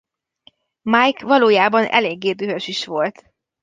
Mike valójában eléggé dühös is volt.